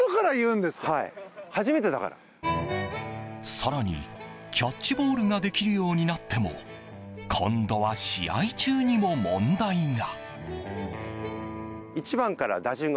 更にキャッチボールができるようになっても今度は試合中にも問題が。